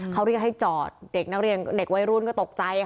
เขาเรียกให้จอดเด็กนักเรียนเด็กวัยรุ่นก็ตกใจ